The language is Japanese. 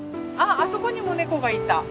あそこにも猫がいた！